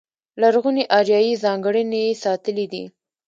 لرغونې اریایي ځانګړنې یې ساتلې دي.